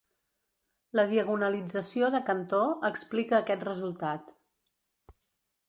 La diagonalització de Cantor explica aquest resultat.